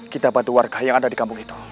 kita bantu warga yang ada di kampung itu